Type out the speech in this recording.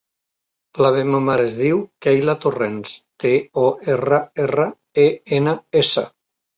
La meva mare es diu Keyla Torrens: te, o, erra, erra, e, ena, essa.